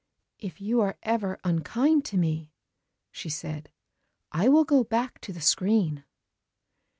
"If you are ever unkind to me," she said, "I will go back to the screen."